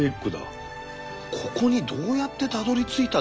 ここにどうやってたどりついたんだ。